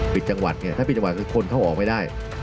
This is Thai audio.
ปิดจังหวัดไงถ้าปิดจังหวัดคือคนเข้าออกไม่ได้